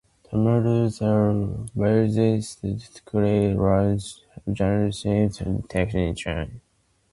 Tomatoes are made perfectly round through genetic engineering techniques.